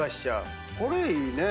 これいいね。